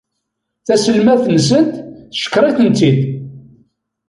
Taselmadt-nsent teckeṛ-itent-id.